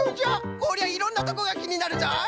こりゃいろんなとこがきになるぞい！